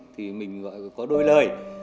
thì mình gọi có đôi lời